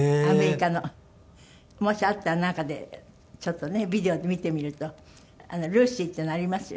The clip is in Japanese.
もしあったらなんかでちょっとねビデオで見てみると『ルーシー』っていうのありますよ。